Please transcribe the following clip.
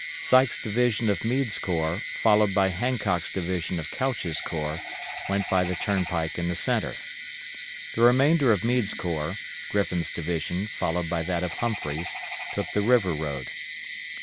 Sykes' division of Meade's corps, followed by Hancock's division of Couch's corps, went by the turnpike in the centre. The remainder of Meade's corps Griffin's division, followed by that of Humphreys took the river road.